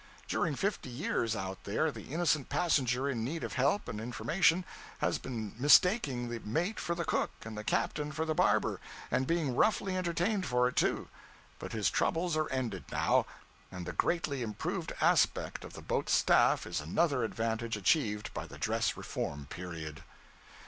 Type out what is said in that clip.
During fifty years, out there, the innocent passenger in need of help and information, has been mistaking the mate for the cook, and the captain for the barber and being roughly entertained for it, too. But his troubles are ended now. And the greatly improved aspect of the boat's staff is another advantage achieved by the dress reform period.